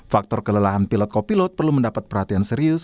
faktor kelelahan pilot kopilot perlu mendapat perhatian serius